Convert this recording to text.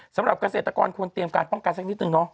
สำหรับเกษตรกรควรเตรียมการป้องกันสักนิดนึงเนาะ